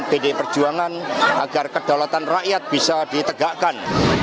pilih perjuangan agar kedalatan rakyat bisa ditegakkan